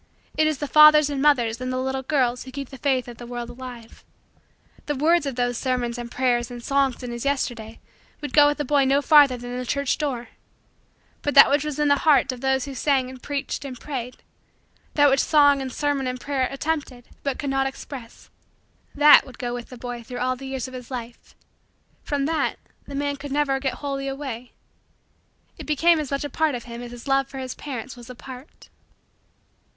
It is the fathers and mothers and the little girls who keep the faith of the world alive. The words of those sermons and prayers and songs in his Yesterdays would go with the boy no farther than the church door; but that which was in the hearts of those who sang and preached and prayed that which song and sermon and prayer attempted but could not express that would go with the boy through all the years of his life. From that the man could never get wholly away. It became as much a part of him as his love for his parents was a part.